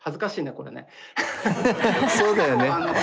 そうだよね。